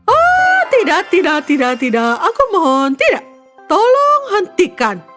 oh tidak tidak tidak aku mohon tidak tolong hentikan